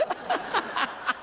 アハハハ！